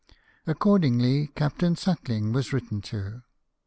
Accordingly Captain Suckling was written to.